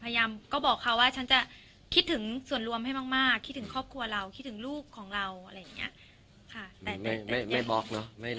พยายามก็บอกเขาว่าฉันจะคิดถึงส่วนรวมให้มากคิดถึงครอบครัวเราคิดถึงลูกของเราอะไรอย่างนี้